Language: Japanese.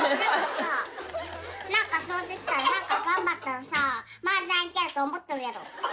なんか掃除したら、なんかがんばったらさ、麻雀行けると思っとるやろ。